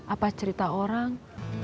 apa cerita orang